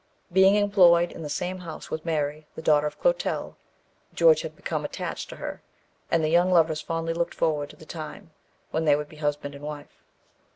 Being employed in the same house with Mary, the daughter of Clotel, George had become attached to her, and the young lovers fondly looked forward to the time when they should be husband and wife.